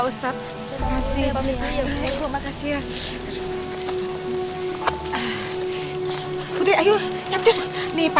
untuk menunjukkan kayaknya